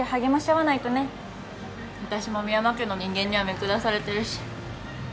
私も深山家の人間には見下されてるし。